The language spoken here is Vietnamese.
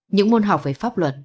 những môn học về pháp luật